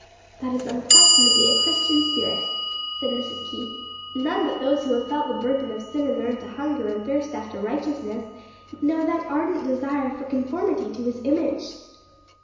"That is unquestionably a Christian spirit," said Mrs. Keith; "none but those who have felt the burden of sin and learned to hunger and thirst after righteousness know that ardent desire for conformity to His image."